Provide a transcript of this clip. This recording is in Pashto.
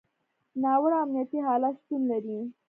ناوړه امنیتي حالت شتون لري.